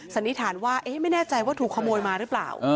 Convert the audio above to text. สันนิษฐานว่าไม่แน่ใจว่าถูกขโมยมาหรือเปล่า